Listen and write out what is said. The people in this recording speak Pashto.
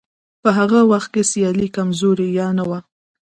په هغه وخت کې سیالي کمزورې یا نه وه.